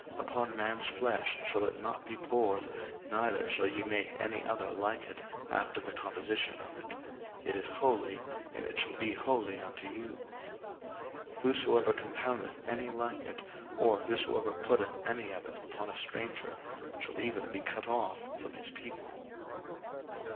02:030:032 Upon man's flesh shall it not be poured, neither shall ye make any other like it, after the composition of it: it is holy, and it shall be holy unto you. 02:030:033 Whosoever compoundeth any like it, or whosoever putteth any of it upon a stranger, shall even be cut off from his people.